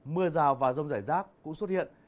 mưa rào và rong rải rác cũng xuất hiện